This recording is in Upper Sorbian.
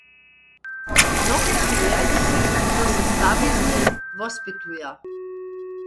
Nochcu rjec, zo so stawizny wospjetuja.